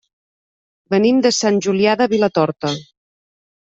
Venim de Sant Julià de Vilatorta.